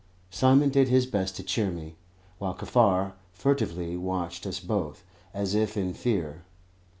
Simon did his best to cheer me, while Kaffar furtively watched us both, as if in fear.